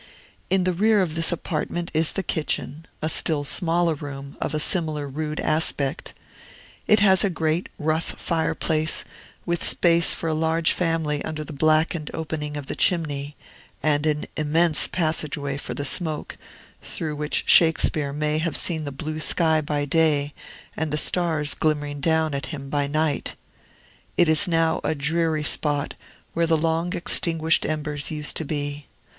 In the rear of this apartment is the kitchen, a still smaller room, of a similar rude aspect; it has a great, rough fireplace, with space for a large family under the blackened opening of the chimney, and an immense passageway for the smoke, through which Shakespeare may have seen the blue sky by day and the stars glimmering down at him by night. It is now a dreary spot where the long extinguished embers used to be.